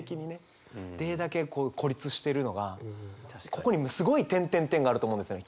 ここにすごい「」があると思うんですよね。